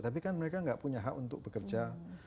tapi kan mereka nggak punya hak untuk bekerja